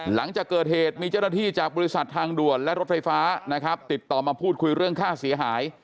หลังจากเกิดเหตุมีเจ้าหน้าที่จากบริษัททางด่วนและรถไฟฟ้านะครับติดต่อมาพูดคุยเรื่องค่าเสียหาย